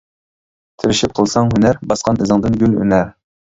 تىرىشىپ قىلساڭ ھۈنەر، باسقان ئىزىڭدىن گۈل ئۈنەر.